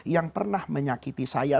yang pernah menyakiti saya